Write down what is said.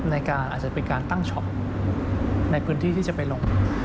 อาจจะเป็นการตั้งช็อปในพื้นที่ที่จะไปลง